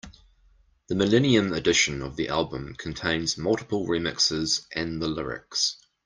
The millennium edition of the album contains multiple remixes and the lyrics.